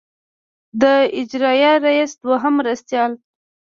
د اجرائیه رییس دوهم مرستیال.